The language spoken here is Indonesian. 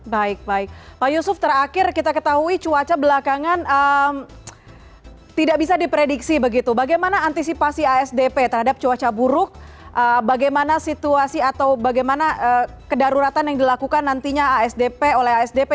baik baik pak yusuf terakhir kita ketahui cuaca belakangan tidak bisa diprediksi begitu bagaimana antisipasi asdp terhadap cuaca buruk bagaimana situasi atau bagaimana kedaruratan yang dilakukan nantinya asdp oleh asdp